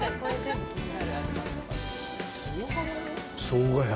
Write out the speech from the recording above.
しょうがや！